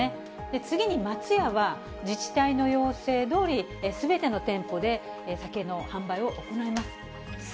次に松屋は、自治体の要請どおり、すべての店舗で酒の販売を行います。